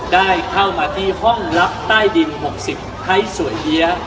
ได้เข้ามาที่ห้องรับใต้ดิน๖๐ไทยสวยเฮีย